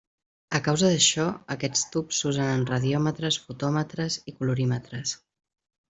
A causa d'això, aquests tubs s'usen en radiòmetres, fotòmetres i colorímetres.